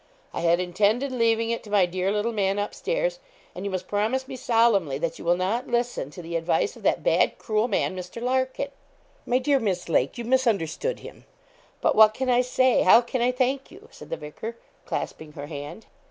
I had intended leaving it to my dear little man up stairs; and you must promise me solemnly that you will not listen to the advice of that bad, cruel man, Mr. Larkin.' 'My dear Miss Lake, you misunderstood him. But what can I say how can I thank you?' said the vicar, clasping her hand.